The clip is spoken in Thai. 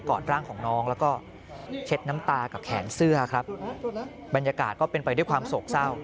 กอดร่างของนองแล้วก็